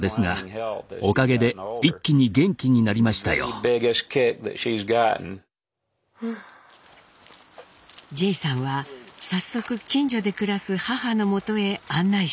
ジェイさんは早速近所で暮らす母のもとへ案内してくれました。